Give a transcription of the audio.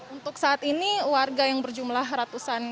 untuk saat ini warga yang berjumlah ratusan